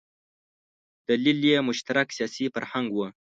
دلیل یې مشترک سیاسي فرهنګ و.